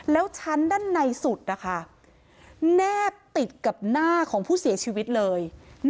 แล้วชั้นด้านในสุดนะคะแนบติดกับหน้าของผู้เสียชีวิตเลย